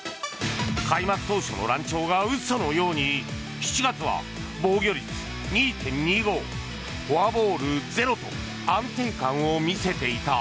開幕当初の乱調が嘘のように７月は防御率２．２５フォアボール０と安定感を見せていた。